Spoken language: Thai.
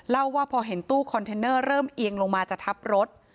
ว่าพอเห็นตู้คอนเทนเนอร์เริ่มเอียงลงมาจะทับรถ